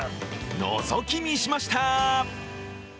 のぞき見しました。